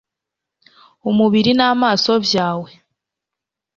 umubiri n'amaraso vyawe